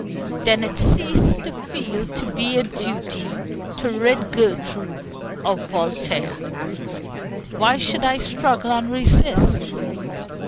Then it ceased to feel to be a duty to rid Gertrude of Voltaire. Why should I struggle and resist?